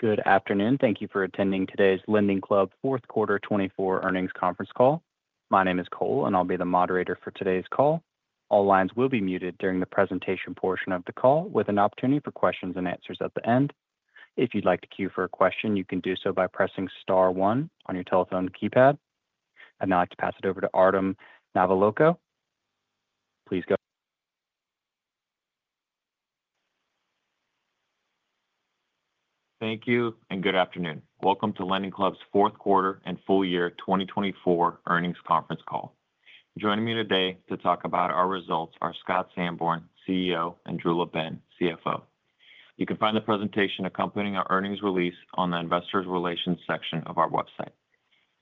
Good afternoon. Thank you for attending today's LendingClub fourth quarter 2024 earnings conference call. My name is Cole, and I'll be the moderator for today's call. All lines will be muted during the presentation portion of the call, with an opportunity for questions and answers at the end. If you'd like to queue for a question, you can do so by pressing Star 1 on your telephone keypad. And now I'd like to pass it over to Artem Nalivayko. Please go. Thank you and good afternoon. Welcome to LendingClub's fourth quarter and Full Year 2024 earnings conference call. Joining me today to talk about our results are Scott Sanborn, CEO, and Drew LaBenne, CFO. You can find the presentation accompanying our earnings release on the Investor Relations section of our website.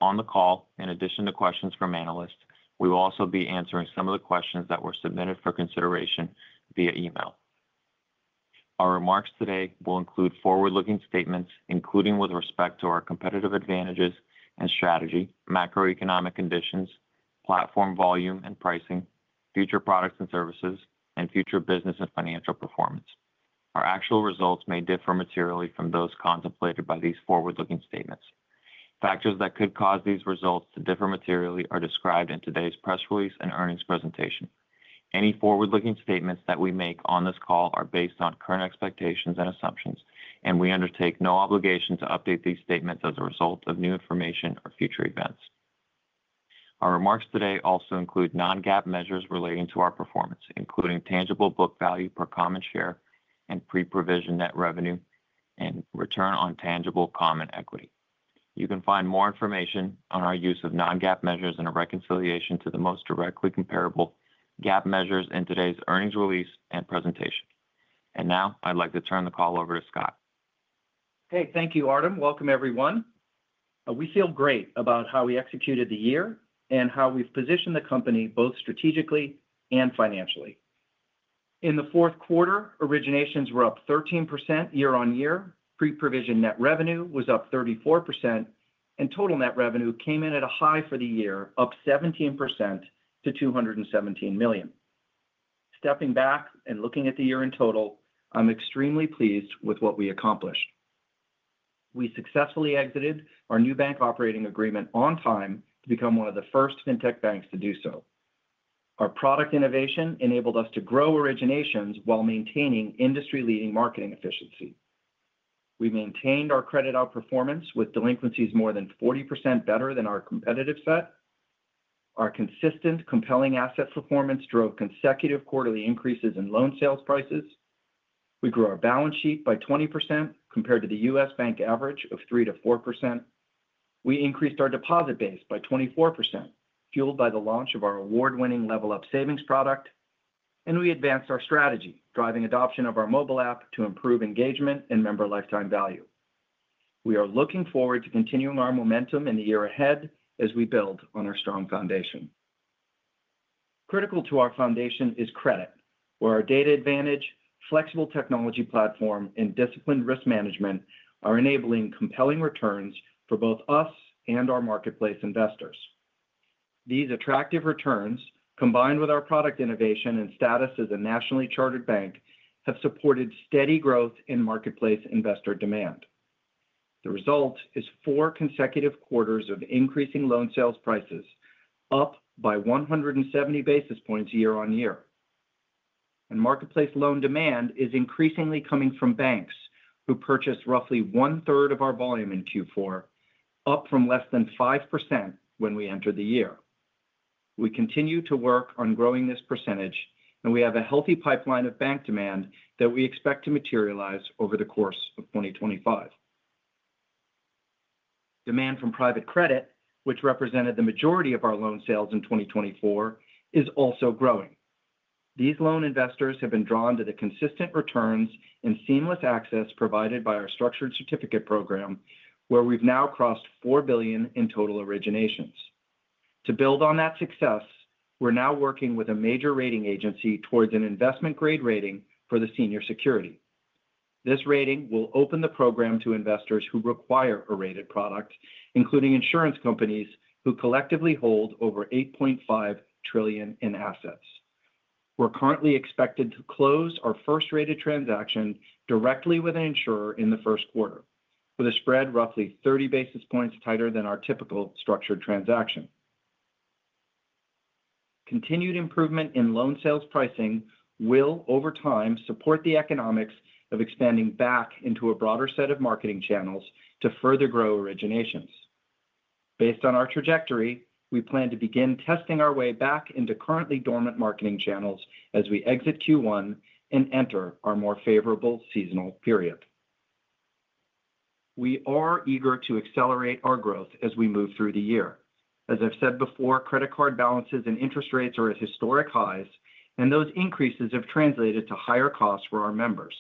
On the call, in addition to questions from analysts, we will also be answering some of the questions that were submitted for consideration via email. Our remarks today will include forward-looking statements, including with respect to our competitive advantages and strategy, macroeconomic conditions, platform volume and pricing, future products and services, and future business and financial performance. Our actual results may differ materially from those contemplated by these forward-looking statements. Factors that could cause these results to differ materially are described in today's press release and earnings presentation. Any forward-looking statements that we make on this call are based on current expectations and assumptions, and we undertake no obligation to update these statements as a result of new information or future events. Our remarks today also include non-GAAP measures relating to our performance, including tangible book value per common share and pre-provision net revenue and return on tangible common equity. You can find more information on our use of non-GAAP measures and a reconciliation to the most directly comparable GAAP measures in today's earnings release and presentation, and now I'd like to turn the call over to Scott. Hey, thank you, Artem. Welcome, everyone. We feel great about how we executed the year and how we've positioned the company both strategically and financially. In the fourth quarter, originations were up 13% year-on-year, pre-provision net revenue was up 34%, and total net revenue came in at a high for the year, up 17% to $217 million. Stepping back and looking at the year in total, I'm extremely pleased with what we accomplished. We successfully exited our new bank operating agreement on time to become one of the first fintech banks to do so. Our product innovation enabled us to grow originations while maintaining industry-leading marketing efficiency. We maintained our credit outperformance with delinquencies more than 40% better than our competitive set. Our consistent, compelling asset performance drove consecutive quarterly increases in loan sales prices. We grew our balance sheet by 20% compared to the U.S. bank average of 3%-4%. We increased our deposit base by 24%, fueled by the launch of our award-winning LevelUp savings product. And we advanced our strategy, driving adoption of our mobile app to improve engagement and member lifetime value. We are looking forward to continuing our momentum in the year ahead as we build on our strong foundation. Critical to our foundation is credit, where our data advantage, flexible technology platform, and disciplined risk management are enabling compelling returns for both us and our marketplace investors. These attractive returns, combined with our product innovation and status as a nationally chartered bank, have supported steady growth in marketplace investor demand. The result is four consecutive quarters of increasing loan sales prices, up by 170 basis points year-on-year. And marketplace loan demand is increasingly coming from banks who purchased roughly one-third of our volume in Q4, up from less than 5% when we entered the year. We continue to work on growing this percentage, and we have a healthy pipeline of bank demand that we expect to materialize over the course of 2025. Demand from private credit, which represented the majority of our loan sales in 2024, is also growing. These loan investors have been drawn to the consistent returns and seamless access provided by our structured certificate program, where we've now crossed $4 billion in total originations. To build on that success, we're now working with a major rating agency towards an investment-grade rating for the senior security. This rating will open the program to investors who require a rated product, including insurance companies who collectively hold over $8.5 trillion in assets. We're currently expected to close our first rated transaction directly with an insurer in the first quarter, with a spread roughly 30 basis points tighter than our typical structured transaction. Continued improvement in loan sales pricing will, over time, support the economics of expanding back into a broader set of marketing channels to further grow originations. Based on our trajectory, we plan to begin testing our way back into currently dormant marketing channels as we exit Q1 and enter our more favorable seasonal period. We are eager to accelerate our growth as we move through the year. As I've said before, credit card balances and interest rates are at historic highs, and those increases have translated to higher costs for our members.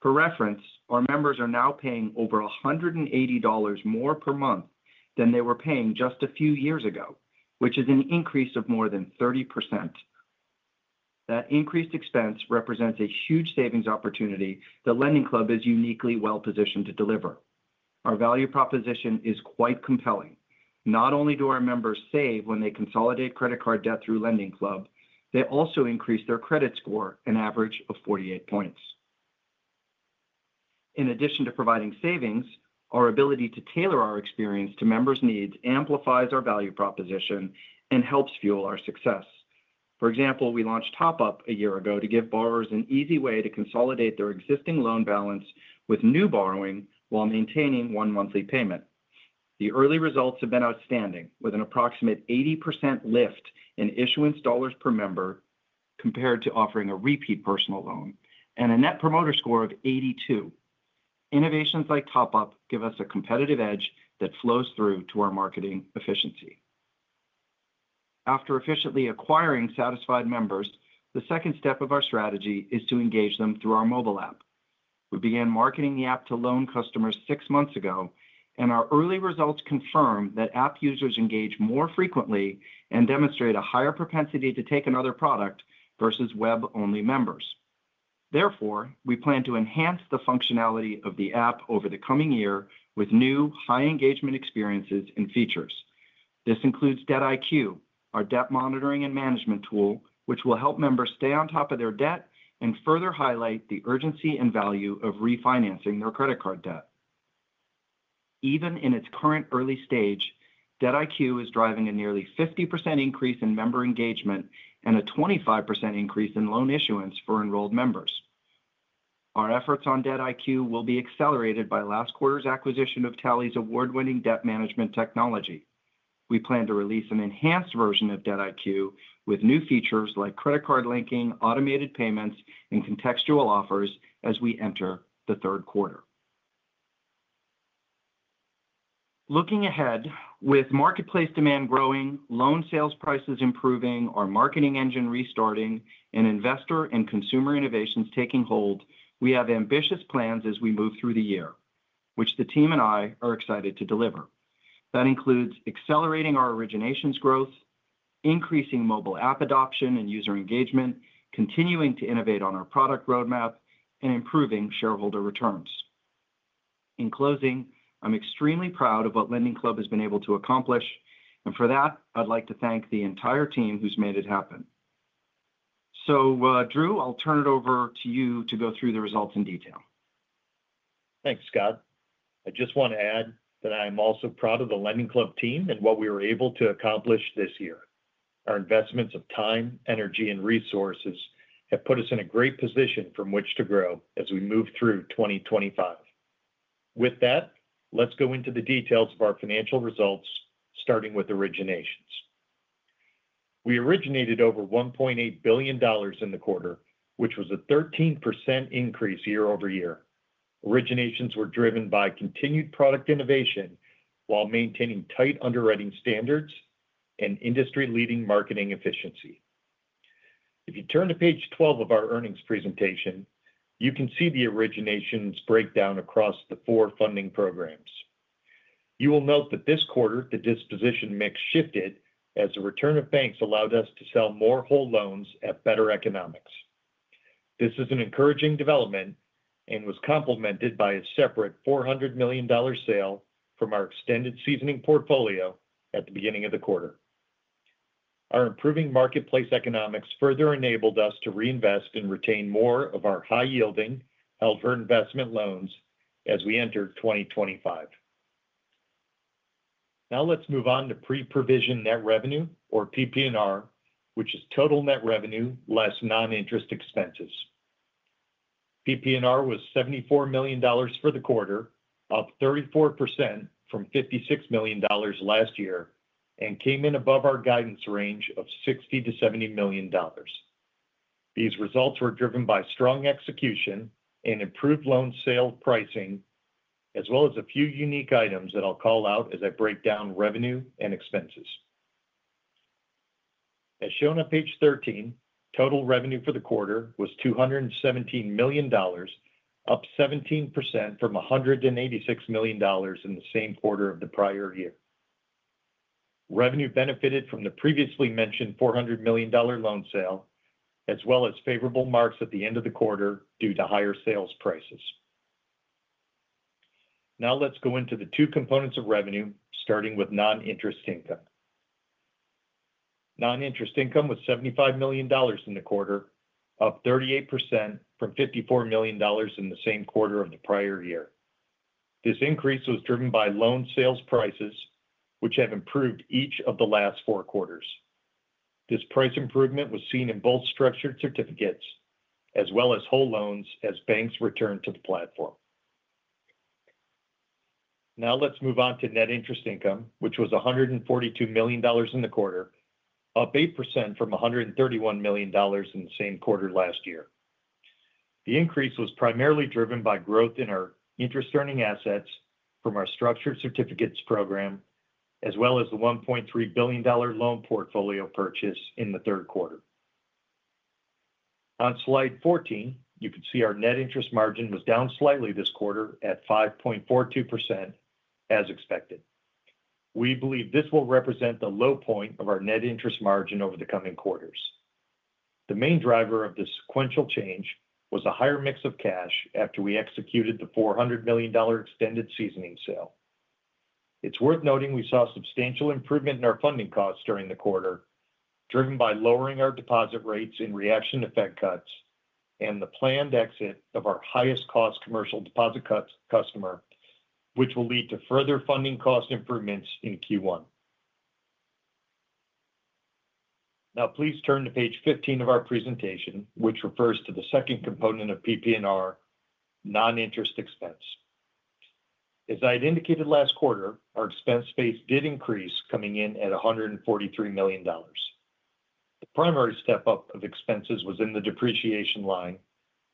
For reference, our members are now paying over $180 more per month than they were paying just a few years ago, which is an increase of more than 30%. That increased expense represents a huge savings opportunity that LendingClub is uniquely well-positioned to deliver. Our value proposition is quite compelling. Not only do our members save when they consolidate credit card debt through LendingClub, they also increase their credit score an average of 48 points. In addition to providing savings, our ability to tailor our experience to members' needs amplifies our value proposition and helps fuel our success. For example, we launched Top Up a year ago to give borrowers an easy way to consolidate their existing loan balance with new borrowing while maintaining one monthly payment. The early results have been outstanding, with an approximate 80% lift in issuance dollars per member compared to offering a repeat personal loan and a Net Promoter Score of 82. Innovations like Top Up give us a competitive edge that flows through to our marketing efficiency. After efficiently acquiring satisfied members, the second step of our strategy is to engage them through our mobile app. We began marketing the app to loan customers six months ago, and our early results confirm that app users engage more frequently and demonstrate a higher propensity to take another product versus web-only members. Therefore, we plan to enhance the functionality of the app over the coming year with new high-engagement experiences and features. This includes Debt IQ, our debt monitoring and management tool, which will help members stay on top of their debt and further highlight the urgency and value of refinancing their credit card debt. Even in its current early stage, Debt IQ is driving a nearly 50% increase in member engagement and a 25% increase in loan issuance for enrolled members. Our efforts on Debt IQ will be accelerated by last quarter's acquisition of Tally's award-winning debt management technology. We plan to release an enhanced version of Debt IQ with new features like credit card linking, automated payments, and contextual offers as we enter the third quarter. Looking ahead, with marketplace demand growing, loan sales prices improving, our marketing engine restarting, and investor and consumer innovations taking hold, we have ambitious plans as we move through the year, which the team and I are excited to deliver. That includes accelerating our originations growth, increasing mobile app adoption and user engagement, continuing to innovate on our product roadmap, and improving shareholder returns. In closing, I'm extremely proud of what LendingClub has been able to accomplish, and for that, I'd like to thank the entire team who's made it happen. So, Drew, I'll turn it over to you to go through the results in detail. Thanks, Scott. I just want to add that I'm also proud of the LendingClub team and what we were able to accomplish this year. Our investments of time, energy, and resources have put us in a great position from which to grow as we move through 2025. With that, let's go into the details of our financial results, starting with originations. We originated over $1.8 billion in the quarter, which was a 13% increase year-over-year. Originations were driven by continued product innovation while maintaining tight underwriting standards and industry-leading marketing efficiency. If you turn to page 12 of our earnings presentation, you can see the originations breakdown across the four funding programs. You will note that this quarter, the disposition mix shifted as the return of banks allowed us to sell more whole loans at better economics. This is an encouraging development and was complemented by a separate $400 million sale from our extended seasoning portfolio at the beginning of the quarter. Our improving marketplace economics further enabled us to reinvest and retain more of our high-yielding held for investment loans as we entered 2025. Now let's move on to pre-provision net revenue, or PP&R, which is total net revenue less non-interest expenses. PP&R was $74 million for the quarter, up 34% from $56 million last year, and came in above our guidance range of $60 million-$70 million. These results were driven by strong execution and improved loan sale pricing, as well as a few unique items that I'll call out as I break down revenue and expenses. As shown on page 13, total revenue for the quarter was $217 million, up 17% from $186 million in the same quarter of the prior year. Revenue benefited from the previously mentioned $400 million loan sale, as well as favorable marks at the end of the quarter due to higher sales prices. Now let's go into the two components of revenue, starting with non-interest income. Non-interest income was $75 million in the quarter, up 38% from $54 million in the same quarter of the prior year. This increase was driven by loan sales prices, which have improved each of the last four quarters. This price improvement was seen in both structured certificates as well as whole loans as banks returned to the platform. Now let's move on to net interest income, which was $142 million in the quarter, up 8% from $131 million in the same quarter last year. The increase was primarily driven by growth in our interest-earning assets from our structured certificates program, as well as the $1.3 billion loan portfolio purchase in the third quarter. On slide 14, you can see our net interest margin was down slightly this quarter at 5.42%, as expected. We believe this will represent the low point of our net interest margin over the coming quarters. The main driver of the sequential change was a higher mix of cash after we executed the $400 million extended seasoning sale. It's worth noting we saw substantial improvement in our funding costs during the quarter, driven by lowering our deposit rates in reaction to Fed cuts and the planned exit of our highest-cost commercial deposit customer, which will lead to further funding cost improvements in Q1. Now, please turn to page 15 of our presentation, which refers to the second component of PP&R, non-interest expense. As I had indicated last quarter, our expense base did increase coming in at $143 million. The primary step-up of expenses was in the depreciation line,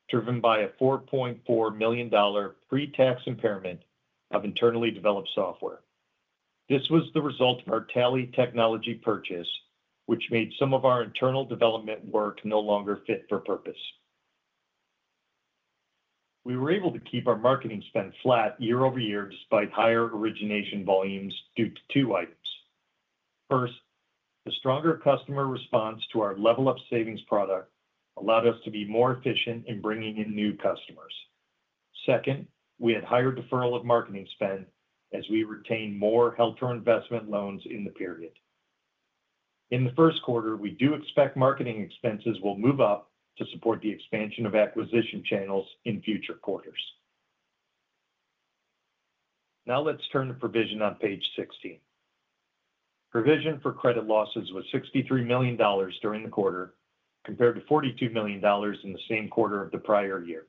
driven by a $4.4 million pre-tax impairment of internally developed software. This was the result of our Tally technology purchase, which made some of our internal development work no longer fit for purpose. We were able to keep our marketing spend flat year-over-year despite higher origination volumes due to two items. First, the stronger customer response to our Level Up savings product allowed us to be more efficient in bringing in new customers. Second, we had higher deferral of marketing spend as we retained more held for investment loans in the period. In the first quarter, we do expect marketing expenses will move up to support the expansion of acquisition channels in future quarters. Now let's turn to provision on page 16. Provision for credit losses was $63 million during the quarter, compared to $42 million in the same quarter of the prior year.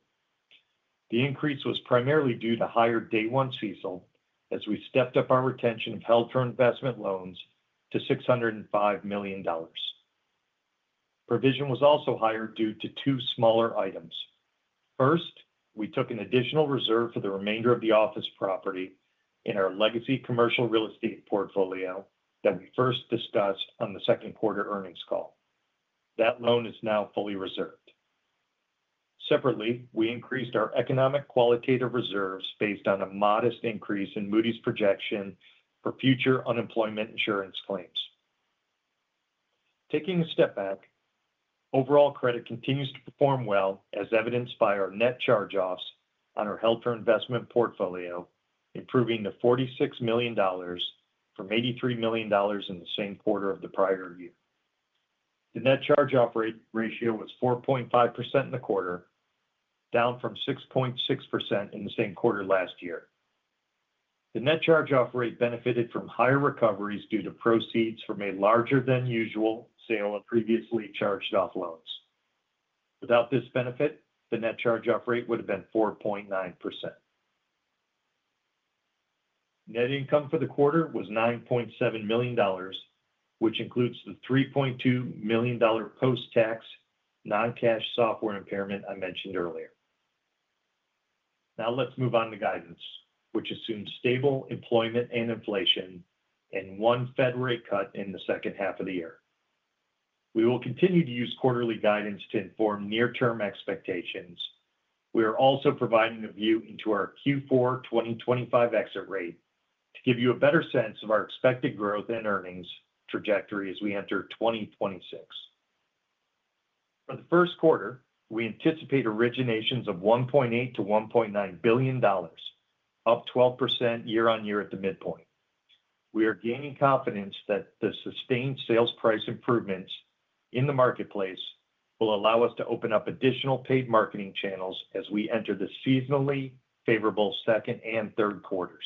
The increase was primarily due to higher day-one CECL as we stepped up our retention of held for investment loans to $605 million. Provision was also higher due to two smaller items. First, we took an additional reserve for the remainder of the office property in our legacy commercial real estate portfolio that we first discussed on the second quarter earnings call. That loan is now fully reserved. Separately, we increased our economic qualitative reserves based on a modest increase in Moody's projection for future unemployment insurance claims. Taking a step back, overall credit continues to perform well, as evidenced by our net charge-offs on our held-for-investment portfolio, improving to $46 million from $83 million in the same quarter of the prior year. The net charge-off rate ratio was 4.5% in the quarter, down from 6.6% in the same quarter last year. The net charge-off rate benefited from higher recoveries due to proceeds from a larger-than-usual sale of previously charged-off loans. Without this benefit, the net charge-off rate would have been 4.9%. Net income for the quarter was $9.7 million, which includes the $3.2 million post-tax non-cash software impairment I mentioned earlier. Now let's move on to guidance, which assumes stable employment and inflation and one Fed rate cut in the second half of the year. We will continue to use quarterly guidance to inform near-term expectations. We are also providing a view into our Q4 2025 exit rate to give you a better sense of our expected growth and earnings trajectory as we enter 2026. For the first quarter, we anticipate originations of $1.8 billion-$1.9 billion, up 12% year-on-year at the midpoint. We are gaining confidence that the sustained sales price improvements in the marketplace will allow us to open up additional paid marketing channels as we enter the seasonally favorable second and third quarters.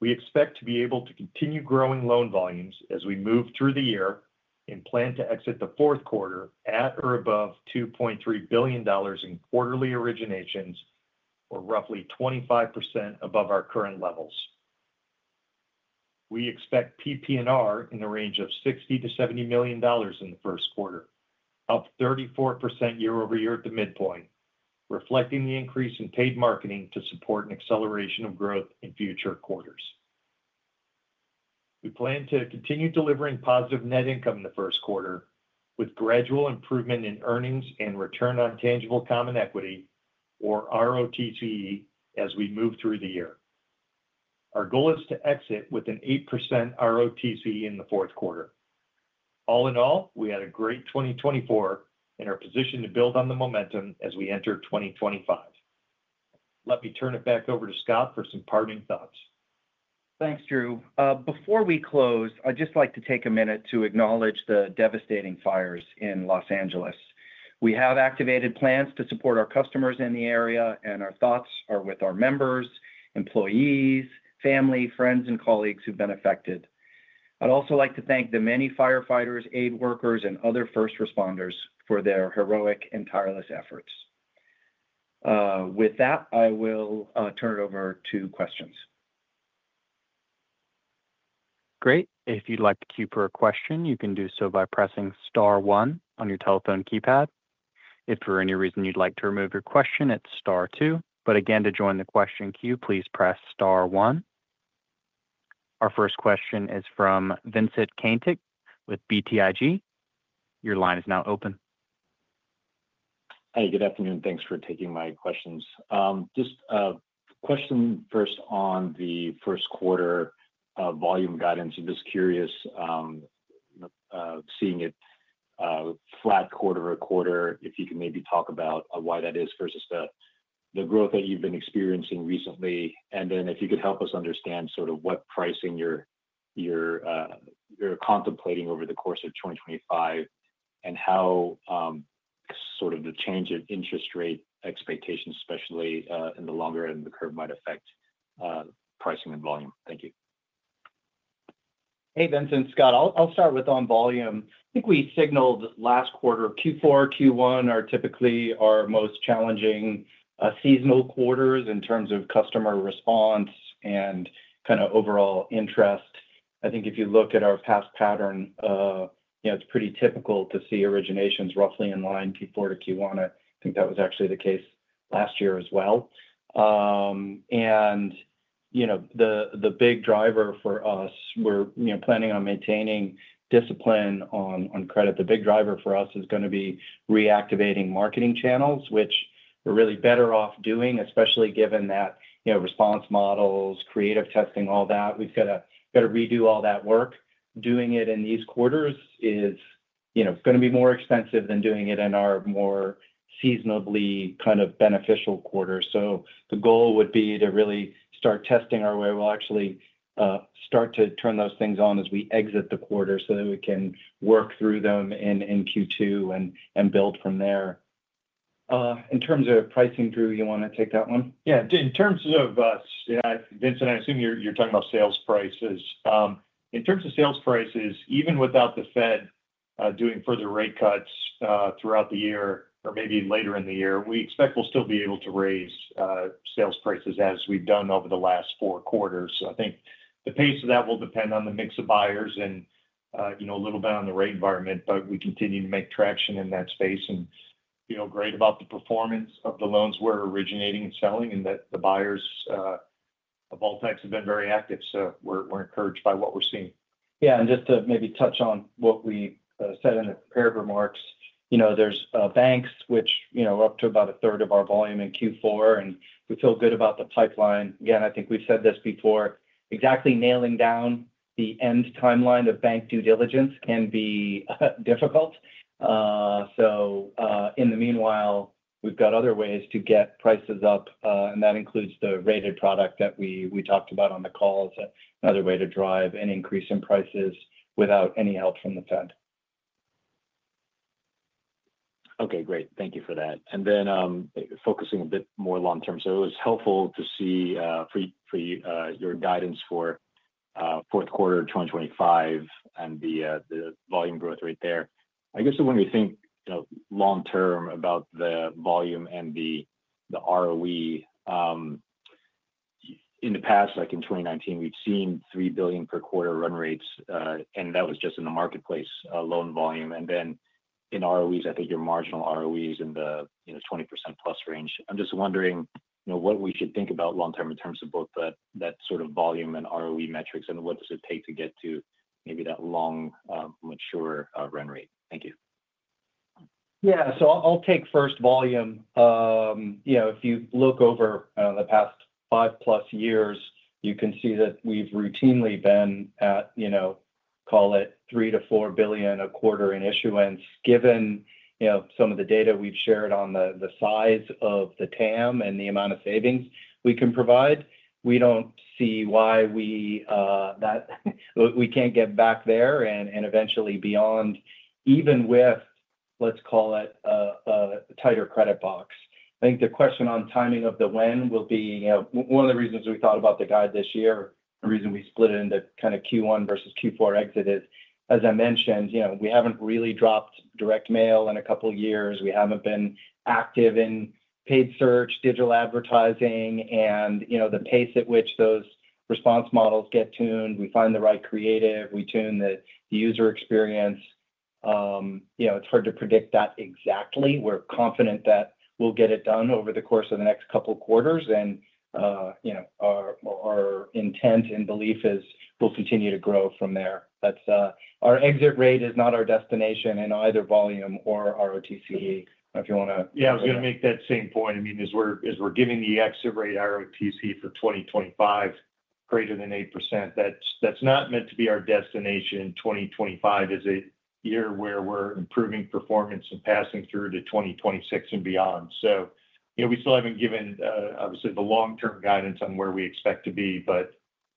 We expect to be able to continue growing loan volumes as we move through the year and plan to exit the fourth quarter at or above $2.3 billion in quarterly originations, or roughly 25% above our current levels. We expect PP&R in the range of $60 million-$70 million in the first quarter, up 34% year-over-year at the midpoint, reflecting the increase in paid marketing to support an acceleration of growth in future quarters. We plan to continue delivering positive net income in the first quarter, with gradual improvement in earnings and return on tangible common equity, or ROTCE, as we move through the year. Our goal is to exit with an 8% ROTCE in the fourth quarter. All in all, we had a great 2024 and are positioned to build on the momentum as we enter 2025. Let me turn it back over to Scott for some parting thoughts. Thanks, Drew. Before we close, I'd just like to take a minute to acknowledge the devastating fires in Los Angeles. We have activated plans to support our customers in the area, and our thoughts are with our members, employees, family, friends, and colleagues who've been affected. I'd also like to thank the many firefighters, aid workers, and other first responders for their heroic and tireless efforts. With that, I will turn it over to questions. Great. If you'd like to queue for a question, you can do so by pressing Star 1 on your telephone keypad. If for any reason you'd like to remove your question, it's Star 2. But again, to join the question queue, please press Star 1. Our first question is from Vincent Caintic with BTIG. Your line is now open. Hi, good afternoon. Thanks for taking my questions. Just a question first on the first quarter volume guidance. I'm just curious, seeing it flat quarter-over-quarter, if you can maybe talk about why that is versus the growth that you've been experiencing recently. And then if you could help us understand sort of what pricing you're contemplating over the course of 2025 and how sort of the change in interest rate expectations, especially in the longer end of the curve, might affect pricing and volume. Thank you. Hey, Vincent, Scott. I'll start with on volume. I think we signaled last quarter, Q4, Q1 are typically our most challenging seasonal quarters in terms of customer response and kind of overall interest. I think if you look at our past pattern, it's pretty typical to see originations roughly in line Q4-Q1. I think that was actually the case last year as well, and the big driver for us, we're planning on maintaining discipline on credit. The big driver for us is going to be reactivating marketing channels, which we're really better off doing, especially given that response models, creative testing, all that. We've got to redo all that work. Doing it in these quarters is going to be more expensive than doing it in our more seasonally kind of beneficial quarter, so the goal would be to really start testing our way. We'll actually start to turn those things on as we exit the quarter so that we can work through them in Q2 and build from there. In terms of pricing, Drew, you want to take that one? Yeah. In terms of us, Vincent, I assume you're talking about sales prices. In terms of sales prices, even without the Fed doing further rate cuts throughout the year or maybe later in the year, we expect we'll still be able to raise sales prices as we've done over the last four quarters. So I think the pace of that will depend on the mix of buyers and a little bit on the rate environment, but we continue to make traction in that space and feel great about the performance of the loans we're originating and selling and that the buyers of all types have been very active. So we're encouraged by what we're seeing. Yeah. And just to maybe touch on what we said in the prepared remarks, there's banks which are up to about a third of our volume in Q4, and we feel good about the pipeline. Again, I think we've said this before, exactly nailing down the end timeline of bank due diligence can be difficult. So in the meanwhile, we've got other ways to get prices up, and that includes the rated product that we talked about on the call as another way to drive an increase in prices without any help from the Fed. Okay. Great. Thank you for that. And then focusing a bit more long-term. So it was helpful to see your guidance for fourth quarter 2025 and the volume growth rate there. I guess when we think long-term about the volume and the ROE, in the past, like in 2019, we've seen $3 billion per quarter run rates, and that was just in the marketplace loan volume. And then in ROEs, I think your marginal ROEs in the 20% plus range. I'm just wondering what we should think about long-term in terms of both that sort of volume and ROE metrics, and what does it take to get to maybe that long mature run rate? Thank you. Yeah. So I'll take first volume. If you look over the past five-plus years, you can see that we've routinely been at, call it, $3 billion-$4 billion a quarter in issuance. Given some of the data we've shared on the size of the TAM and the amount of savings we can provide, we don't see why we can't get back there and eventually beyond, even with, let's call it, a tighter credit box. I think the question on timing of the when will be one of the reasons we thought about the guide this year. The reason we split it into kind of Q1 versus Q4 exit is, as I mentioned, we haven't really dropped direct mail in a couple of years. We haven't been active in paid search, digital advertising, and the pace at which those response models get tuned. We find the right creative. We tune the user experience. It's hard to predict that exactly. We're confident that we'll get it done over the course of the next couple of quarters. And our intent and belief is we'll continue to grow from there. Our exit rate is not our destination in either volume or ROTCE. I don't know if you want to. Yeah. I was going to make that same point. I mean, as we're giving the exit rate ROTCE for 2025, greater than 8%, that's not meant to be our destination in 2025. It's a year where we're improving performance and passing through to 2026 and beyond. So we still haven't given, obviously, the long-term guidance on where we expect to be, but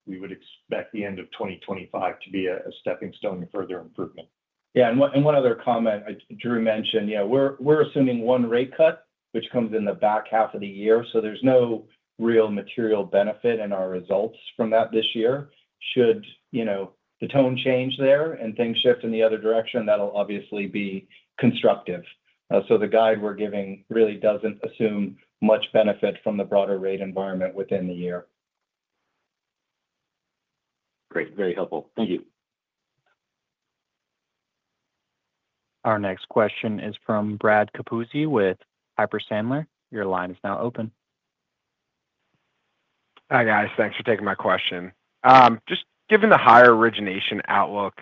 we would expect the end of 2025 to be a stepping stone to further improvement. Yeah. And one other comment, Drew mentioned, we're assuming one rate cut, which comes in the back half of the year. So there's no real material benefit in our results from that this year. Should the tone change there and things shift in the other direction, that'll obviously be constructive. So the guide we're giving really doesn't assume much benefit from the broader rate environment within the year. Great. Very helpful. Thank you. Our next question is from Brad Capuzzi with Piper Sandler. Your line is now open. Hi, guys. Thanks for taking my question. Just given the higher origination outlook,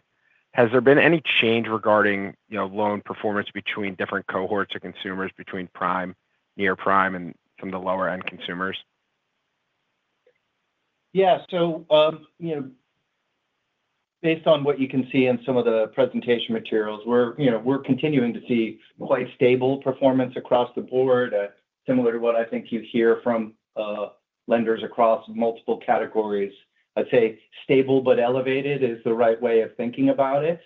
has there been any change regarding loan performance between different cohorts of consumers, between prime, near prime, and some of the lower-end consumers? Yeah. So based on what you can see in some of the presentation materials, we're continuing to see quite stable performance across the board, similar to what I think you hear from lenders across multiple categories. I'd say stable but elevated is the right way of thinking about it.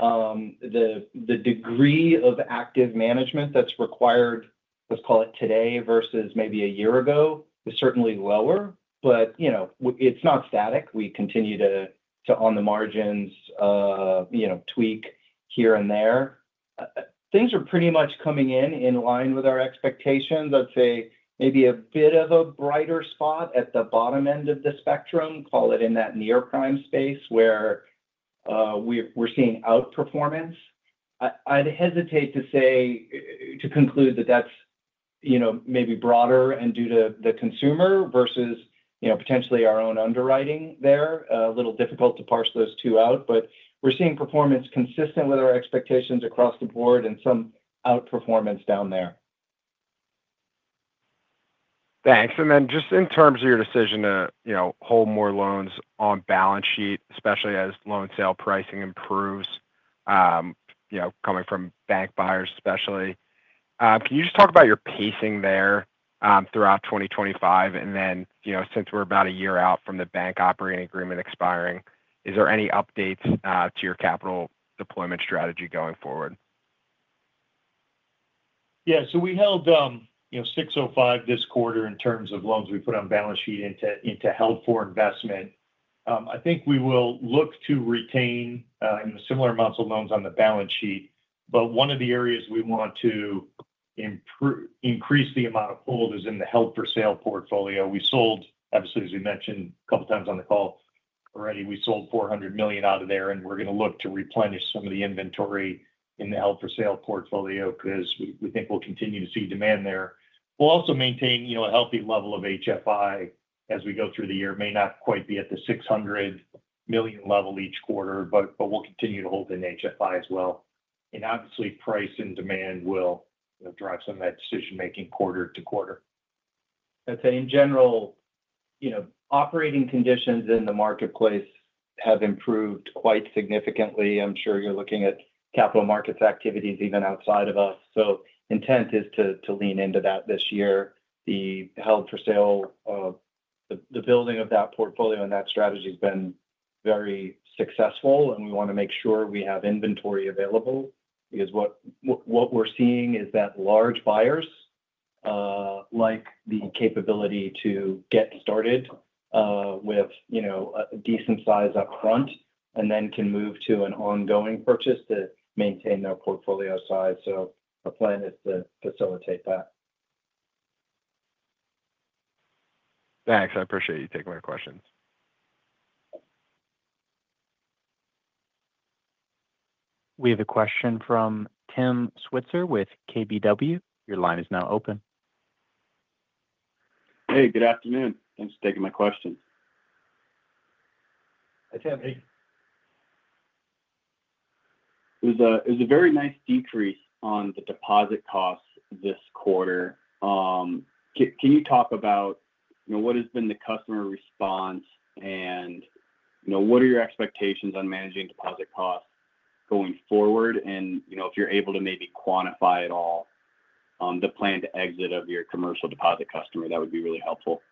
The degree of active management that's required, let's call it today versus maybe a year ago, is certainly lower, but it's not static. We continue to, on the margins, tweak here and there. Things are pretty much coming in in line with our expectations. I'd say maybe a bit of a brighter spot at the bottom end of the spectrum, call it in that Near Prime space where we're seeing outperformance. I'd hesitate to say to conclude that that's maybe broader and due to the consumer versus potentially our own underwriting there. A little difficult to parse those two out, but we're seeing performance consistent with our expectations across the board and some outperformance down there. Thanks. And then just in terms of your decision to hold more loans on balance sheet, especially as loan sale pricing improves coming from bank buyers especially, can you just talk about your pacing there throughout 2025? And then since we're about a year out from the bank operating agreement expiring, is there any updates to your capital deployment strategy going forward? Yeah. So we held $605 million this quarter in terms of loans we put on balance sheet into held for investment. I think we will look to retain similar amounts of loans on the balance sheet, but one of the areas we want to increase the amount of hold is in the held for sale portfolio. We sold, obviously, as we mentioned a couple of times on the call already, $400 million out of there, and we're going to look to replenish some of the inventory in the held for sale portfolio because we think we'll continue to see demand there. We'll also maintain a healthy level of HFI as we go through the year. It may not quite be at the $600 million level each quarter, but we'll continue to hold in HFI as well. Obviously, price and demand will drive some of that decision-making quarter to quarter. I'd say in general, operating conditions in the marketplace have improved quite significantly. I'm sure you're looking at capital markets activities even outside of us. So intent is to lean into that this year. The held for sale, the building of that portfolio and that strategy has been very successful, and we want to make sure we have inventory available because what we're seeing is that large buyers like the capability to get started with a decent size upfront and then can move to an ongoing purchase to maintain their portfolio size. So our plan is to facilitate that. Thanks. I appreciate you taking my questions. We have a question from Tim Switzer with KBW. Your line is now open. Hey, good afternoon. Thanks for taking my question. Hi, Tim. There's a very nice decrease on the deposit costs this quarter. Can you talk about what has been the customer response and what are your expectations on managing deposit costs going forward? And if you're able to maybe quantify at all the planned exit of your commercial deposit customer, that would be really helpful.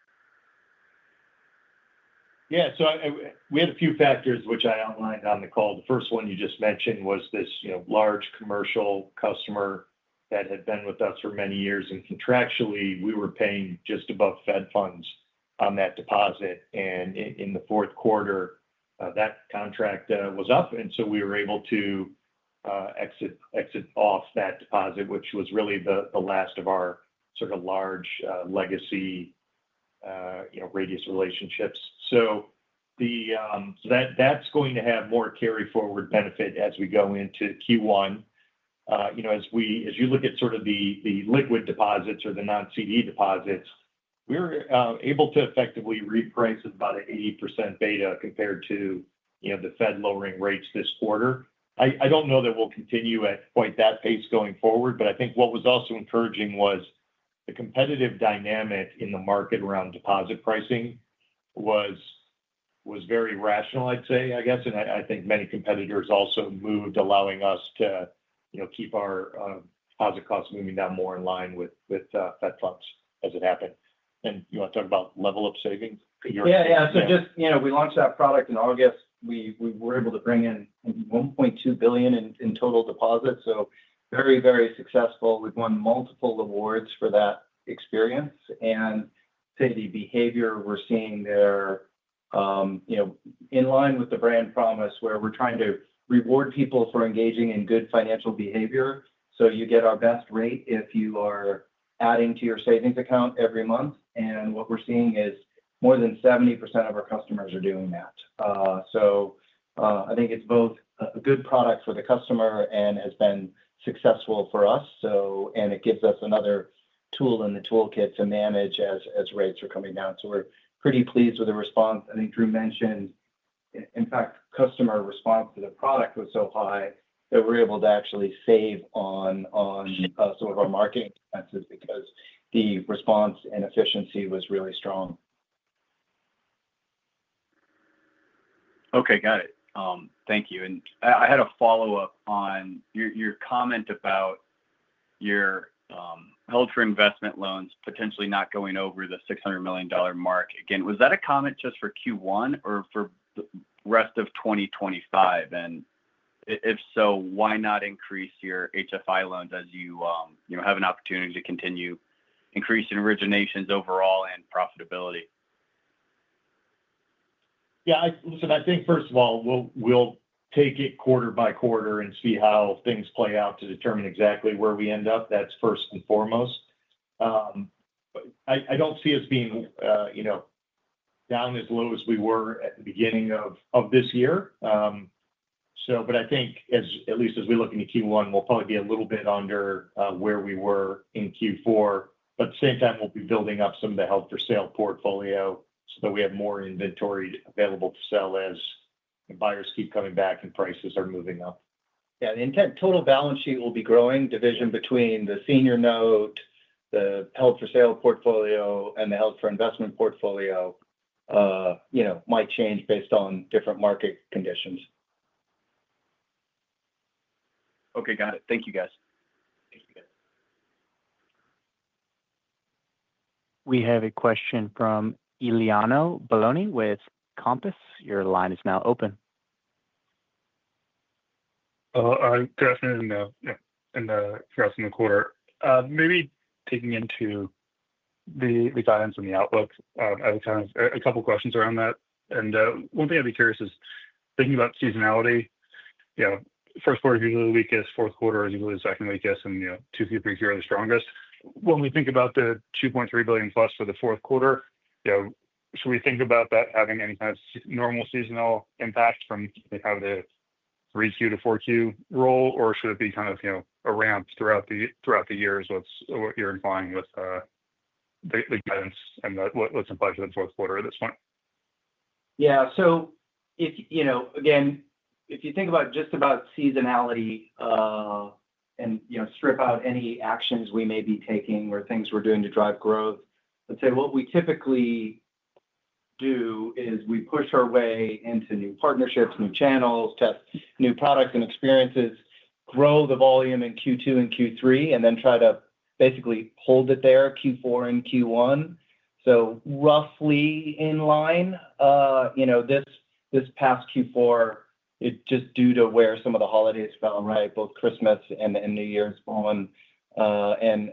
Yeah. So we had a few factors which I outlined on the call. The first one you just mentioned was this large commercial customer that had been with us for many years. And contractually, we were paying just above Fed funds on that deposit. And in the fourth quarter, that contract was up. And so we were able to exit off that deposit, which was really the last of our sort of large legacy Radius relationships. So that's going to have more carry-forward benefit as we go into Q1. As you look at sort of the liquid deposits or the non-CD deposits, we were able to effectively reprice at about an 80% beta compared to the Fed lowering rates this quarter. I don't know that we'll continue at quite that pace going forward, but I think what was also encouraging was the competitive dynamic in the market around deposit pricing was very rational, I'd say, I guess. And I think many competitors also moved, allowing us to keep our deposit costs moving down more in line with Fed funds as it happened. And you want to talk about LevelUp savings? Yeah. Yeah. So, we just launched that product in August. We were able to bring in $1.2 billion in total deposits, so very, very successful. We've won multiple awards for that experience, and I'd say the behavior we're seeing there is in line with the brand promise where we're trying to reward people for engaging in good financial behavior, so you get our best rate if you are adding to your savings account every month, and what we're seeing is more than 70% of our customers are doing that, so I think it's both a good product for the customer and has been successful for us, and it gives us another tool in the toolkit to manage as rates are coming down, so we're pretty pleased with the response. I think Drew mentioned, in fact, customer response to the product was so high that we were able to actually save on some of our marketing expenses because the response and efficiency was really strong. Okay. Got it. Thank you. And I had a follow-up on your comment about your held for investment loans potentially not going over the $600 million mark. Again, was that a comment just for Q1 or for the rest of 2025? And if so, why not increase your HFI loans as you have an opportunity to continue increasing originations overall and profitability? Yeah. Listen, I think, first of all, we'll take it quarter by quarter and see how things play out to determine exactly where we end up. That's first and foremost. I don't see us being down as low as we were at the beginning of this year. But I think, at least as we look into Q1, we'll probably be a little bit under where we were in Q4. But at the same time, we'll be building up some of the held for sale portfolio so that we have more inventory available to sell as buyers keep coming back and prices are moving up. Yeah. The intended total balance sheet will be growing. The division between the senior note, the held-for-sale portfolio, and the held-for-investment portfolio might change based on different market conditions. Okay. Got it. Thank you, guys. We have a question from Giuliano Bologna with Compass. Your line is now open. Good afternoon. Yeah. In crossing the quarter, maybe taking into the guidance and the outlook, I have a couple of questions around that. And one thing I'd be curious is thinking about seasonality. First quarter is usually the weakest. Fourth quarter is usually the second weakest, and Q2, Q3 is usually the strongest. When we think about the $2.3 billion plus for the fourth quarter, should we think about that having any kind of normal seasonal impact from how the 3Q-4Q roll, or should it be kind of a ramp throughout the year is what you're implying with the guidance and what's implied for the fourth quarter at this point? Yeah. So again, if you think about just about seasonality and strip out any actions we may be taking or things we're doing to drive growth, I'd say what we typically do is we push our way into new partnerships, new channels, test new products and experiences, grow the volume in Q2 and Q3, and then try to basically hold it there Q4 and Q1. So roughly in line, this past Q4, just due to where some of the holidays fell, right, both Christmas and New Year's on and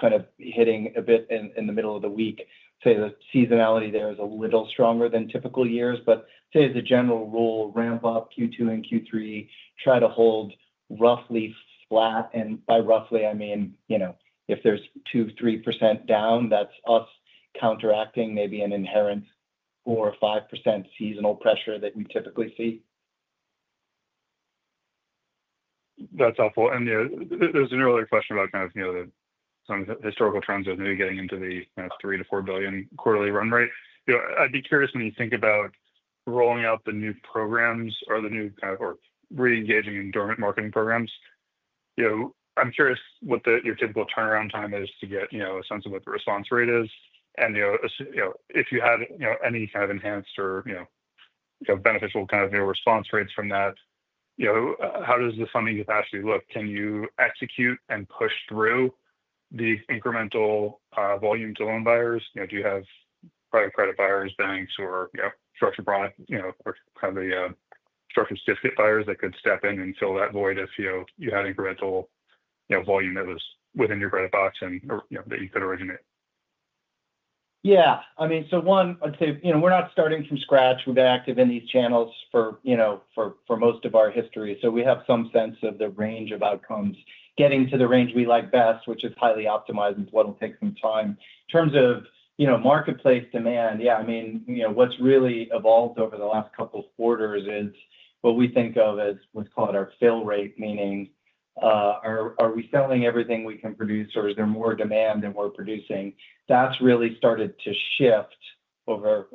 kind of hitting a bit in the middle of the week, I'd say the seasonality there is a little stronger than typical years. But I'd say as a general rule, ramp up Q2 and Q3, try to hold roughly flat. By roughly, I mean if there's 2%-3% down, that's us counteracting maybe an inherent 4 or 5% seasonal pressure that you typically see. That's helpful. And there's an earlier question about kind of some historical trends of maybe getting into the $3 billion-$4 billion quarterly run rate. I'd be curious when you think about rolling out the new programs or the new kind of or re-engaging in dormant marketing programs. I'm curious what your typical turnaround time is to get a sense of what the response rate is. And if you had any kind of enhanced or beneficial kind of response rates from that, how does the funding capacity look? Can you execute and push through the incremental volume to loan buyers? Do you have private credit buyers, banks, or structured product or kind of the structured certificate buyers that could step in and fill that void if you had incremental volume that was within your credit box and that you could originate? Yeah. I mean, so one, I'd say we're not starting from scratch. We've been active in these channels for most of our history. So we have some sense of the range of outcomes, getting to the range we like best, which is highly optimized and what will take some time. In terms of marketplace demand, yeah, I mean, what's really evolved over the last couple of quarters is what we think of as what's called our fill rate, meaning are we selling everything we can produce, or is there more demand than we're producing? That's really started to shift over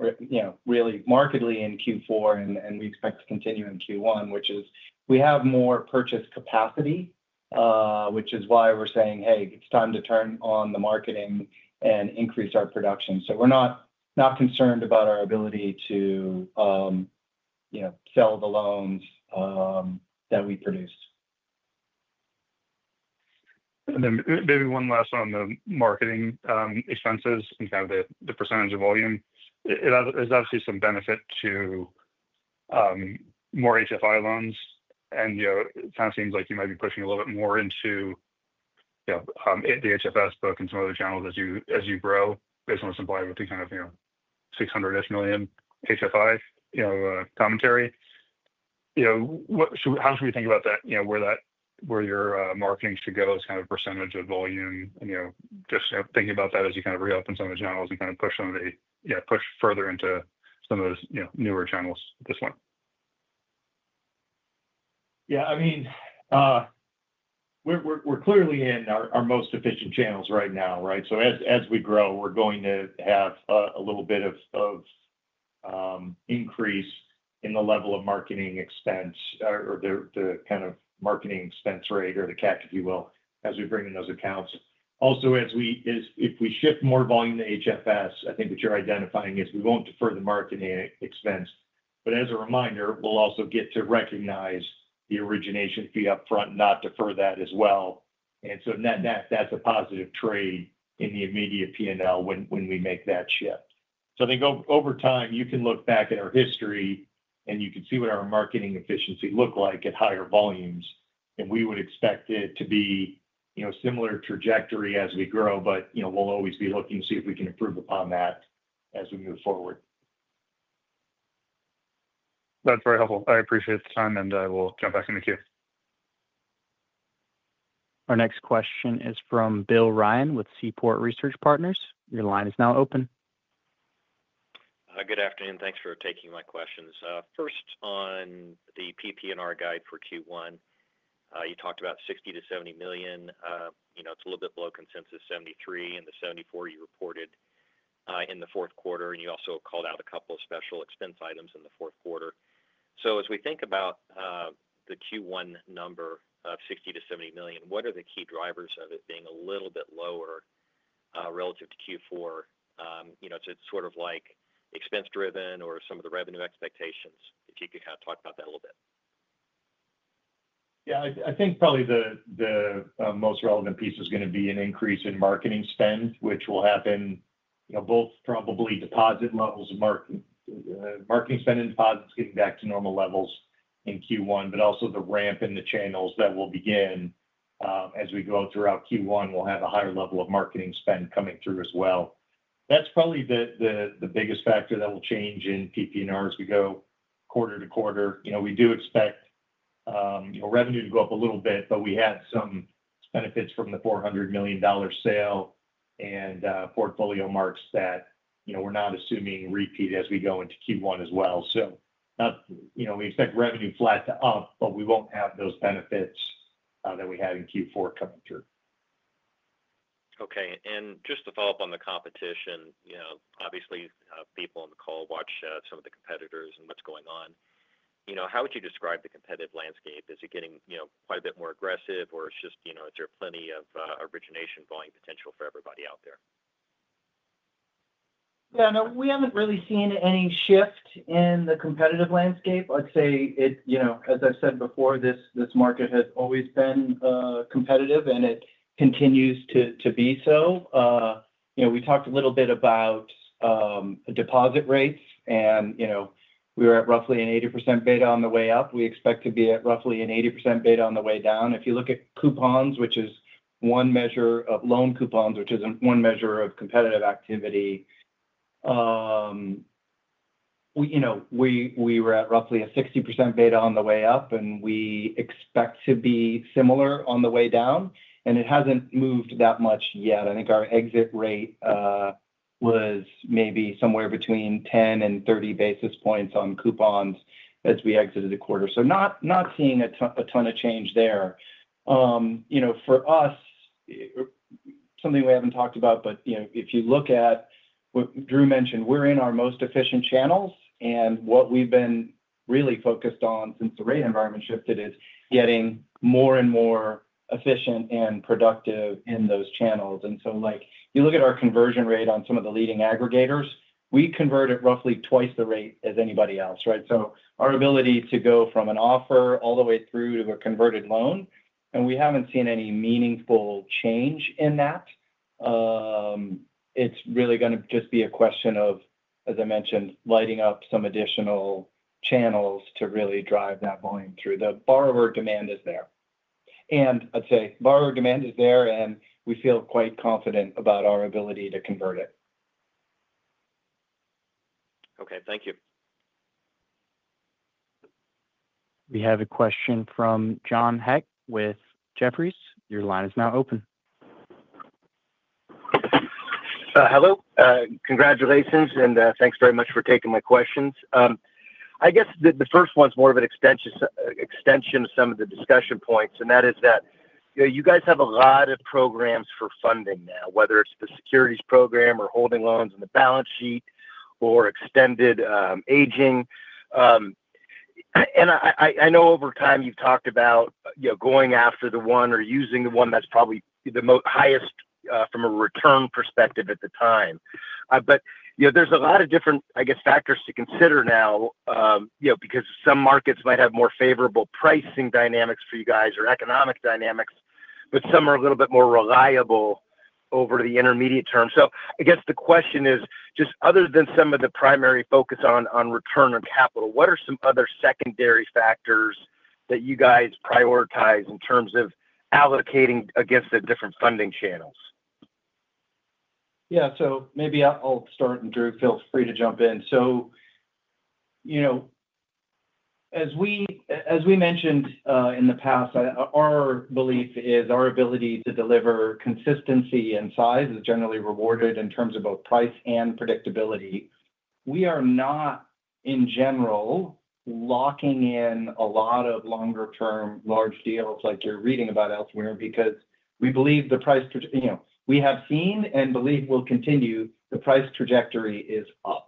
really markedly in Q4, and we expect to continue in Q1, which is we have more purchase capacity, which is why we're saying, "Hey, it's time to turn on the marketing and increase our production." So we're not concerned about our ability to sell the loans that we produce. And then maybe one last on the marketing expenses and kind of the percentage of volume. Is there obviously some benefit to more HFI loans? And it kind of seems like you might be pushing a little bit more into the HFS book and some other channels as you grow based on the supply within kind of 600-ish million HFI commentary. How should we think about that, where your marketing should go as kind of a percentage of volume? And just thinking about that as you kind of reopen some of the channels and kind of push some of the push further into some of those newer channels at this point? Yeah. I mean, we're clearly in our most efficient channels right now, right? So as we grow, we're going to have a little bit of increase in the level of marketing expense or the kind of marketing expense rate or the CAC, if you will, as we bring in those accounts. Also, if we shift more volume to HFS, I think what you're identifying is we won't defer the marketing expense. But as a reminder, we'll also get to recognize the origination fee upfront, not defer that as well. And so that's a positive trade in the immediate P&L when we make that shift. So I think over time, you can look back at our history and you can see what our marketing efficiency looked like at higher volumes. We would expect it to be a similar trajectory as we grow, but we'll always be looking to see if we can improve upon that as we move forward. That's very helpful. I appreciate the time, and I will jump back in the queue. Our next question is from Bill Ryan with Seaport Research Partners. Your line is now open. Good afternoon. Thanks for taking my questions. First, on the PP&R guide for Q1, you talked about $60 million-$70 million. It's a little bit below consensus, $73 million and the $74 million you reported in the fourth quarter. And you also called out a couple of special expense items in the fourth quarter. So as we think about the Q1 number of $60 million-$70 million, what are the key drivers of it being a little bit lower relative to Q4? It's sort of like expense-driven or some of the revenue expectations. If you could kind of talk about that a little bit. Yeah. I think probably the most relevant piece is going to be an increase in marketing spend, which will happen both probably deposit levels of marketing spend and deposits getting back to normal levels in Q1, but also the ramp in the channels that will begin as we go throughout Q1. We'll have a higher level of marketing spend coming through as well. That's probably the biggest factor that will change in PP&R as we go quarter to quarter. We do expect revenue to go up a little bit, but we had some benefits from the $400 million sale and portfolio marks that we're not assuming repeat as we go into Q1 as well. So we expect revenue flat to up, but we won't have those benefits that we had in Q4 coming through. Okay. And just to follow up on the competition, obviously, people on the call watch some of the competitors and what's going on. How would you describe the competitive landscape? Is it getting quite a bit more aggressive, or is there plenty of origination volume potential for everybody out there? Yeah. No, we haven't really seen any shift in the competitive landscape. I'd say, as I've said before, this market has always been competitive, and it continues to be so. We talked a little bit about deposit rates, and we were at roughly an 80% beta on the way up. We expect to be at roughly an 80% beta on the way down. If you look at coupons, which is one measure of loan coupons, which is one measure of competitive activity, we were at roughly a 60% beta on the way up, and we expect to be similar on the way down. And it hasn't moved that much yet. I think our exit rate was maybe somewhere between 10 and 30 basis points on coupons as we exited the quarter, so not seeing a ton of change there. For us, something we haven't talked about, but if you look at what Drew mentioned, we're in our most efficient channels, and what we've been really focused on since the rate environment shifted is getting more and more efficient and productive in those channels. And so you look at our conversion rate on some of the leading aggregators, we convert at roughly twice the rate as anybody else, right, so our ability to go from an offer all the way through to a converted loan, and we haven't seen any meaningful change in that. It's really going to just be a question of, as I mentioned, lighting up some additional channels to really drive that volume through. The borrower demand is there, and I'd say borrower demand is there, and we feel quite confident about our ability to convert it. Okay. Thank you. We have a question from John Hecht with Jefferies. Your line is now open. Hello. Congratulations, and thanks very much for taking my questions. I guess the first one's more of an extension of some of the discussion points, and that is that you guys have a lot of programs for funding now, whether it's the securities program or holding loans on the balance sheet or extended seasoning. And I know over time you've talked about going after the one or using the one that's probably the highest from a return perspective at the time. But there's a lot of different, I guess, factors to consider now because some markets might have more favorable pricing dynamics for you guys or economic dynamics, but some are a little bit more reliable over the intermediate term. So I guess the question is, just other than some of the primary focus on return on capital, what are some other secondary factors that you guys prioritize in terms of allocating against the different funding channels? Yeah. So maybe I'll start, and Drew, feel free to jump in. So as we mentioned in the past, our belief is our ability to deliver consistency and size is generally rewarded in terms of both price and predictability. We are not, in general, locking in a lot of longer-term large deals like you're reading about elsewhere because we believe the price we have seen and believe will continue. The price trajectory is up.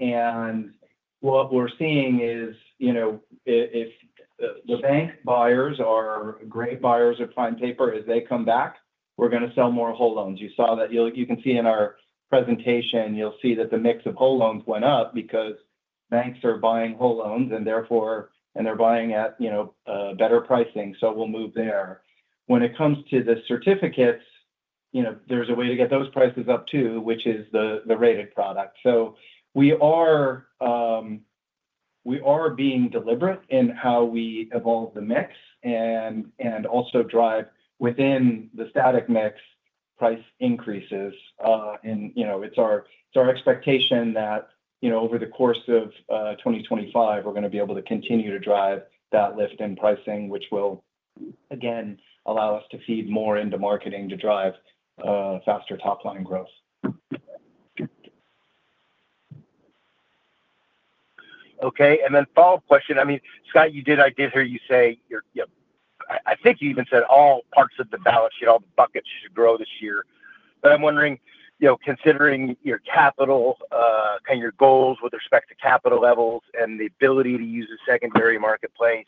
And what we're seeing is if the bank buyers are great buyers of prime paper, as they come back, we're going to sell more whole loans. You saw that. You can see in our presentation, you'll see that the mix of whole loans went up because banks are buying whole loans, and therefore, they're buying at better pricing. So we'll move there. When it comes to the certificates, there's a way to get those prices up too, which is the rated product. So we are being deliberate in how we evolve the mix and also drive within the static mix price increases. And it's our expectation that over the course of 2025, we're going to be able to continue to drive that lift in pricing, which will, again, allow us to feed more into marketing to drive faster top-line growth. Okay. And then follow-up question. I mean, Scott, I did hear you say, I think you even said all parts of the balance sheet, all the buckets should grow this year. But I'm wondering, considering your capital, kind of your goals with respect to capital levels and the ability to use a secondary marketplace,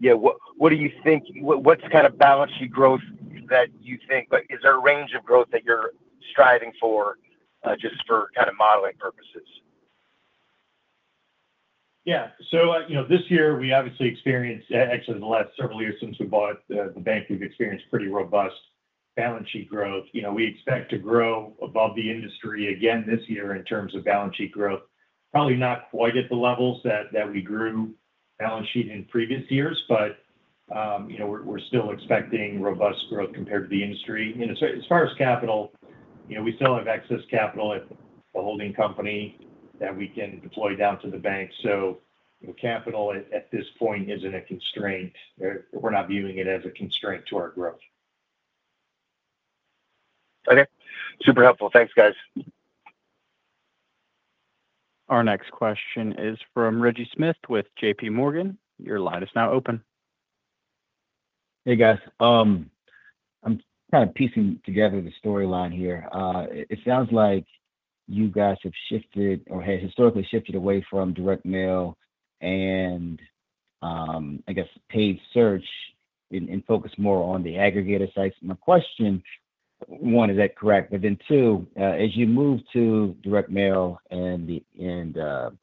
what do you think? What's kind of balance sheet growth that you think? Is there a range of growth that you're striving for just for kind of modeling purposes? Yeah. So this year, we obviously experienced, actually, in the last several years since we bought the bank, we've experienced pretty robust balance sheet growth. We expect to grow above the industry again this year in terms of balance sheet growth. Probably not quite at the levels that we grew balance sheet in previous years, but we're still expecting robust growth compared to the industry. As far as capital, we still have excess capital at the holding company that we can deploy down to the bank. So capital at this point isn't a constraint. We're not viewing it as a constraint to our growth. Okay. Super helpful. Thanks, guys. Our next question is from Reggie Smith with JPMorgan. Your line is now open. Hey, guys. I'm kind of piecing together the storyline here. It sounds like you guys have shifted or have historically shifted away from direct mail and, I guess, paid search and focus more on the aggregator sites. My question, one, is that correct? But then, two, as you move to direct mail and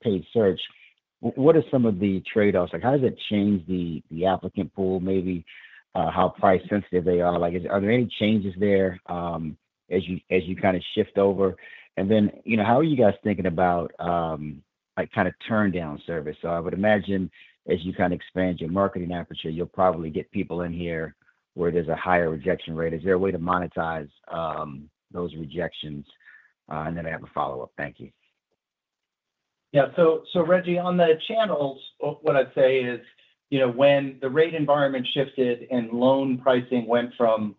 paid search, what are some of the trade-offs? How does it change the applicant pool, maybe how price-sensitive they are? Are there any changes there as you kind of shift over? And then how are you guys thinking about kind of turndown service? So I would imagine as you kind of expand your marketing aperture, you'll probably get people in here where there's a higher rejection rate. Is there a way to monetize those rejections? And then I have a follow-up. Thank you. Yeah. So, Reggie, on the channels, what I'd say is when the rate environment shifted and loan pricing went from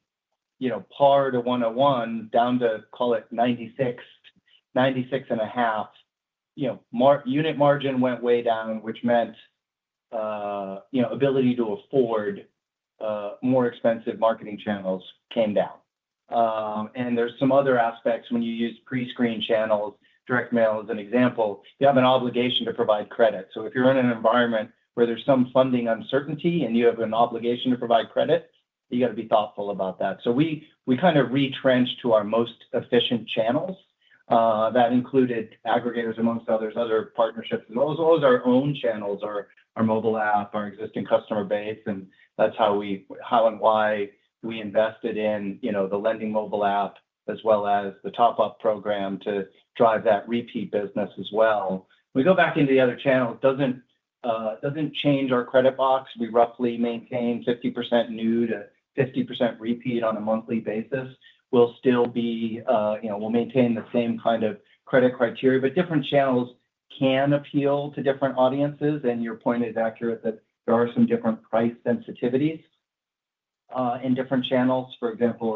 par to 101 down to, call it 96.5, unit margin went way down, which meant ability to afford more expensive marketing channels came down. And there's some other aspects when you use pre-screen channels. Direct mail is an example. You have an obligation to provide credit. So if you're in an environment where there's some funding uncertainty and you have an obligation to provide credit, you got to be thoughtful about that. So we kind of retrenched to our most efficient channels. That included aggregators amongst others, other partnerships. Those are our own channels, our mobile app, our existing customer base. And that's how and why we invested in the LendingClub mobile app as well as the Top-Up program to drive that repeat business as well. We go back into the other channels. It doesn't change our credit box. We roughly maintain 50% new to 50% repeat on a monthly basis. We'll still maintain the same kind of credit criteria, but different channels can appeal to different audiences, and your point is accurate that there are some different price sensitivities in different channels. For example,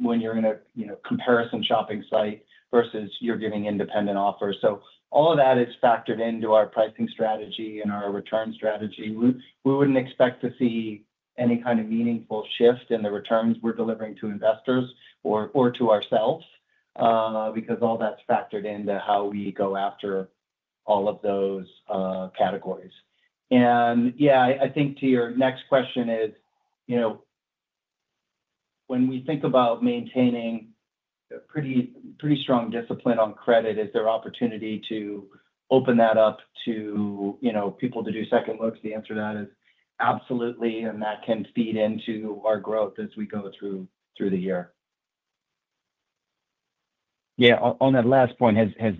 when you're in a comparison shopping site versus you're giving independent offers, so all of that is factored into our pricing strategy and our return strategy. We wouldn't expect to see any kind of meaningful shift in the returns we're delivering to investors or to ourselves because all that's factored into how we go after all of those categories. And yeah, I think to your next question is when we think about maintaining a pretty strong discipline on credit, is there opportunity to open that up to people to do second looks? The answer to that is absolutely, and that can feed into our growth as we go through the year. Yeah. On that last point, has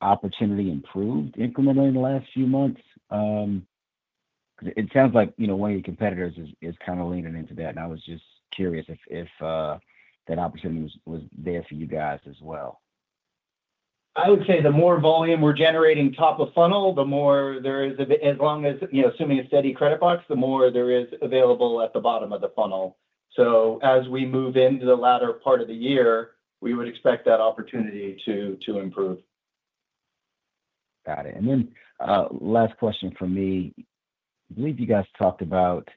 that opportunity improved incrementally in the last few months? It sounds like one of your competitors is kind of leaning into that, and I was just curious if that opportunity was there for you guys as well. I would say the more volume we're generating top of funnel, the more there is, as long as assuming a steady credit box, the more there is available at the bottom of the funnel, so as we move into the latter part of the year, we would expect that opportunity to improve. Got it. And then last question for me. I believe you guys talked about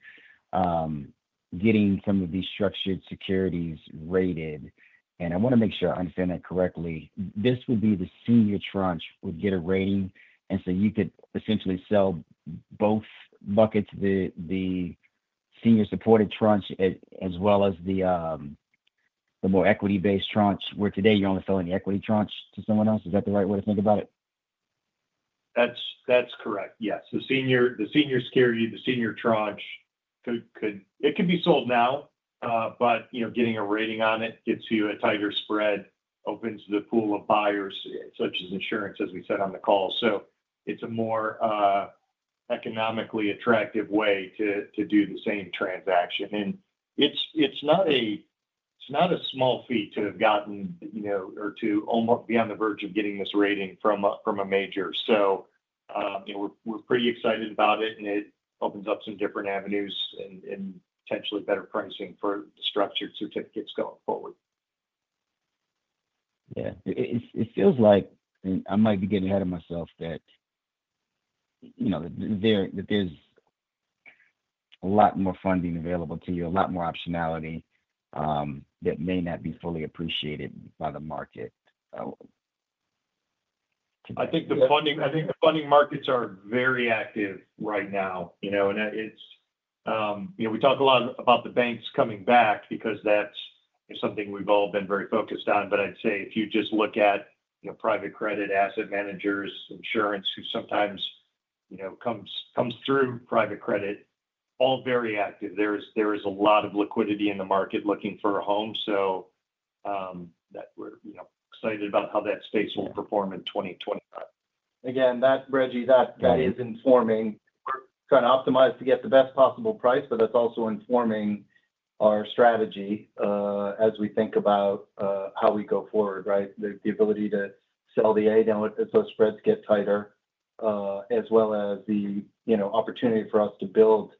getting some of these structured securities rated. And I want to make sure I understand that correctly. This would be the senior tranche would get a rating. And so you could essentially sell both buckets, the senior-supported tranche as well as the more equity-based tranche, where today you're only selling the equity tranche to someone else. Is that the right way to think about it? That's correct. Yes. The senior security, the senior tranche, it could be sold now, but getting a rating on it gets you a tighter spread, opens the pool of buyers, such as insurance, as we said on the call. So it's a more economically attractive way to do the same transaction. And it's not a small fee to have gotten or to be on the verge of getting this rating from a major. So we're pretty excited about it, and it opens up some different avenues and potentially better pricing for structured certificates going forward. Yeah. It feels like, and I might be getting ahead of myself, that there's a lot more funding available to you, a lot more optionality that may not be fully appreciated by the market. I think the funding markets are very active right now. And we talk a lot about the banks coming back because that's something we've all been very focused on. But I'd say if you just look at private credit, asset managers, insurance, who sometimes comes through private credit, all very active. There is a lot of liquidity in the market looking for a home. So we're excited about how that space will perform in 2025. Again, Reggie, that is informing. We're kind of optimized to get the best possible price, but that's also informing our strategy as we think about how we go forward, right? The ability to sell the A now as those spreads get tighter, as well as the opportunity for us to build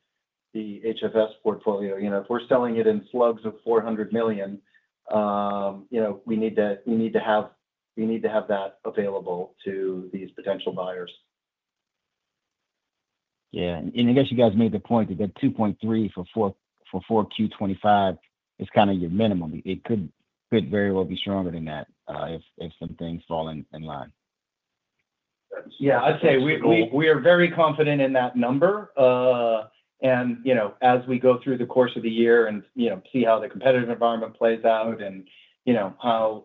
the HFS portfolio. If we're selling it in slugs of $400 million, we need to have that available to these potential buyers. Yeah, and I guess you guys made the point that 2.3 for 4Q25 is kind of your minimum. It could very well be stronger than that if some things fall in line. Yeah. I'd say we are very confident in that number. And as we go through the course of the year and see how the competitive environment plays out and how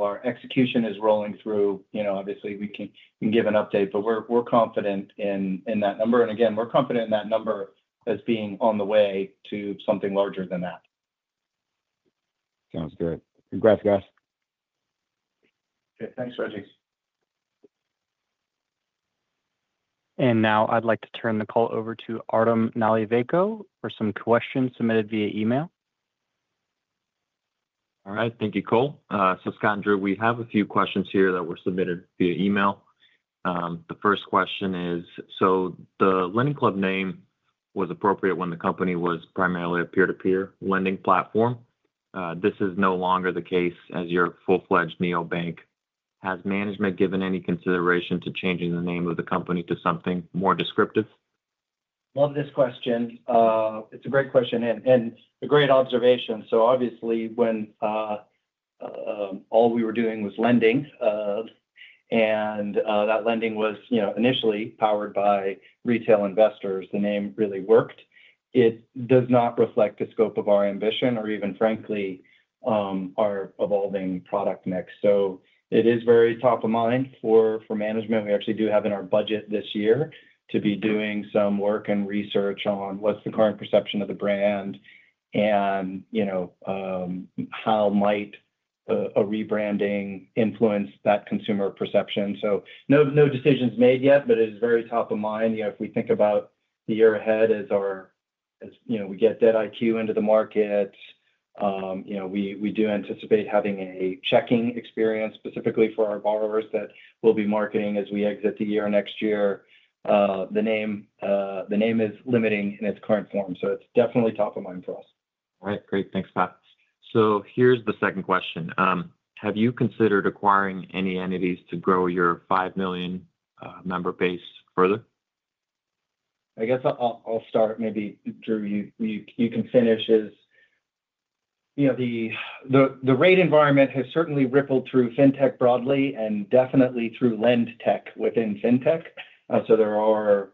our execution is rolling through, obviously, we can give an update. But we're confident in that number. And again, we're confident in that number as being on the way to something larger than that. Sounds good. Congrats, guys. Okay. Thanks, Reggie. Now I'd like to turn the call over to Artem Nalivayko for some questions submitted via email. All right. Thank you, Cole. So Scott, Drew, we have a few questions here that were submitted via email. The first question is, so the LendingClub name was appropriate when the company was primarily a peer-to-peer lending platform. This is no longer the case as your full-fledged neobank. Has management given any consideration to changing the name of the company to something more descriptive? Love this question. It's a great question and a great observation. So obviously, when all we were doing was lending and that lending was initially powered by retail investors, the name really worked. It does not reflect the scope of our ambition or even, frankly, our evolving product mix. So it is very top of mind for management. We actually do have in our budget this year to be doing some work and research on what's the current perception of the brand and how might a rebranding influence that consumer perception. So no decisions made yet, but it is very top of mind. If we think about the year ahead as we get that Debt IQ into the market, we do anticipate having a checking experience specifically for our borrowers that we'll be marketing as we exit the year next year. The name is limiting in its current form. It's definitely top of mind for us. All right. Great. Thanks, Scott. So here's the second question. Have you considered acquiring any entities to grow your 5 million member base further? I guess I'll start. Maybe Drew, you can finish. The rate environment has certainly rippled through fintech broadly and definitely through lend tech within fintech. So there are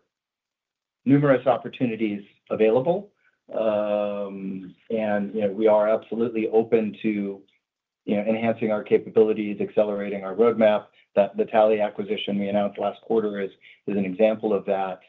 numerous opportunities available. And we are absolutely open to enhancing our capabilities, accelerating our roadmap. The Tally acquisition we announced last quarter is an example of that.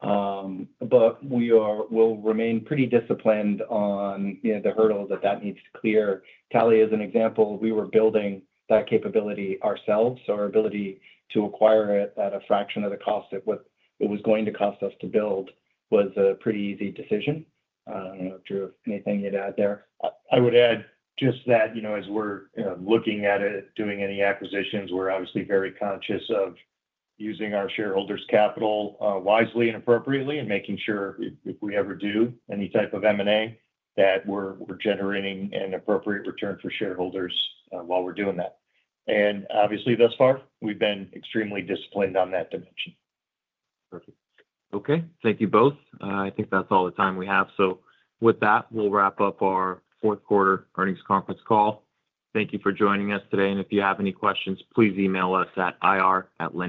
But we will remain pretty disciplined on the hurdles that that needs to clear. Tally is an example. We were building that capability ourselves. So our ability to acquire it at a fraction of the cost of what it was going to cost us to build was a pretty easy decision. I don't know, Drew, if anything you'd add there. I would add just that as we're looking at doing any acquisitions, we're obviously very conscious of using our shareholders' capital wisely and appropriately, and making sure if we ever do any type of M&A that we're generating an appropriate return for shareholders while we're doing that. And obviously, thus far, we've been extremely disciplined on that dimension. Perfect. Okay. Thank you both. I think that's all the time we have, so with that, we'll wrap up our fourth quarter earnings conference call. Thank you for joining us today, and if you have any questions, please email us at ir@.